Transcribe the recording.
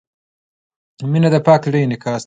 • مینه د پاک زړۀ انعکاس دی.